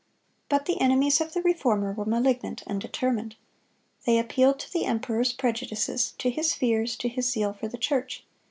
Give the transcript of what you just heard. But the enemies of the Reformer were malignant and determined. They appealed to the emperor's prejudices, to his fears, to his zeal for the church.